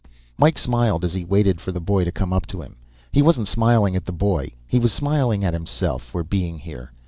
Mike smiled as he waited for the boy to come up to him. He wasn't smiling at the boy he was smiling at himself, for being here.